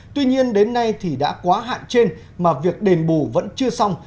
tuy nhiên đến nay thì đã quá hạn trên mà việc đền bù vẫn chưa xong